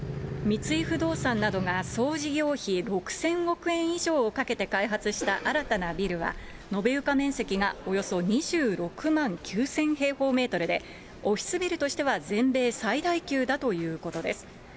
三井不動産などが総事業費６０００億円以上をかけて開発した新たなビルは、延べ床面積がおよそ２６万９０００平方メートルで、オフィスビルとしては全米最大級だということです。